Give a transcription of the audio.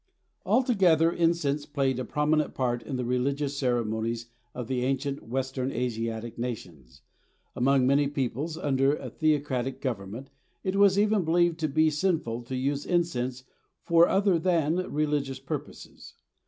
Altogether, incense played a prominent part in the religious ceremonies of the ancient Western Asiatic nations—among many peoples under a theocratic government it was even believed to be sinful to use incense for other than religious purposes.